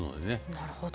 なるほど。